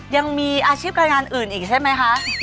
ยังมีอาชีพรายงานอื่นอีกใช่ไหมคะ